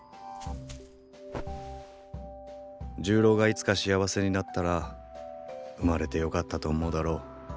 重郎がいつか幸せになったら生まれてよかったと思うだろう。